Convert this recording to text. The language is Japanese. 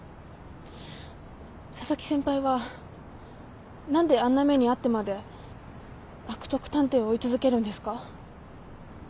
紗崎先輩は何であんな目に遭ってまで悪徳探偵を追い続けるんですか？